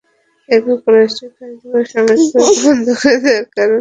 এরপরও কলেজটির কার্যক্রম সাময়িকভাবে বন্ধ করে দেওয়ার কারণ আমার কাছে বোধগম্য নয়।